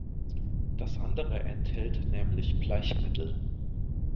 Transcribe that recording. Das andere enthält nämlich Bleichmittel.